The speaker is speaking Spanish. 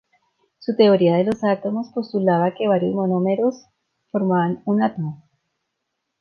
Su teoría de los átomos postulaba que varios monómeros formaban un átomo.